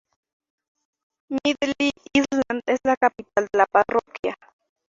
Middle Island es la capital de la parroquia.